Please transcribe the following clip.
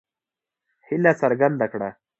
هیله څرګنده کړه.